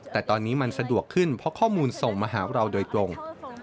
แต่ตอนนี้มันสะดวกขึ้นเพราะข้อมูลส่งมาหาเราโดยตรง